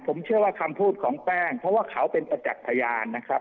ผมเชื่อว่าคำพูดของแป้งเพราะว่าเขาเป็นประจักษ์พยานนะครับ